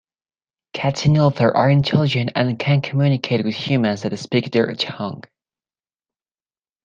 Cats in Ulthar are intelligent and can communicate with humans that speak their tongue.